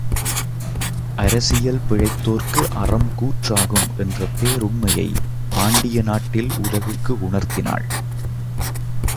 அரசியல் பிழைத்தோர்க்கு அறம் கூற்று ஆகும் என்ற பேருண்மையைப் பாண்டிய நாட்டில் உலகுக்கு உணர்த்தி னாள்.